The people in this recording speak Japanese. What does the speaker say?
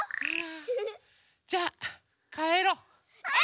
ウフフ。じゃあかえろう。